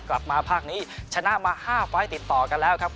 ภาคนี้ชนะมา๕ไฟล์ติดต่อกันแล้วครับ